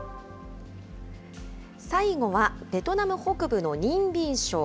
最後は、ベトナム北部のニンビン省。